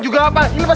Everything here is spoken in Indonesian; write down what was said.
sini dulu bang